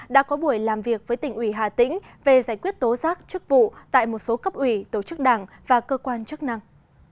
đã có buổi làm việc với tỉnh ủy hà tĩnh về giải quyết tố giác chức vụ tại một số cấp ủy tổ chức đảng và cơ quan chức năng